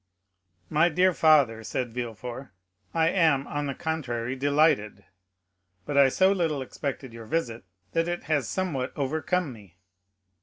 "My dear father," said Villefort, "I am, on the contrary, delighted; but I so little expected your visit, that it has somewhat overcome me."